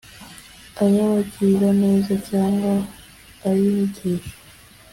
ay abagiraneza cyangwa ay inyigisho